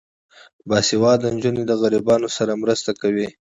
باسواده نجونې د غریبانو سره مرسته کوي.